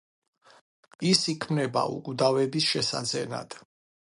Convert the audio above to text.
ის იქმნება უკვდავების შესაძენად.